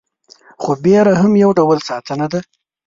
خو ویره هم یو ډول ساتنه ده.